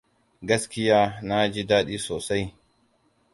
Gaskiya na ji daɗi sosai.